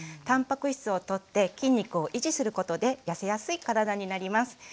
たんぱく質をとって筋肉を維持することでやせやすい体になります。